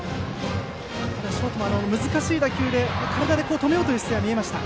ただショートも難しい打球を体で止めようという姿勢は見えました。